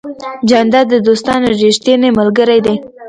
جانداد د دوستانو ریښتینی ملګری دی.